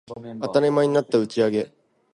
当たり前になった打ち上げ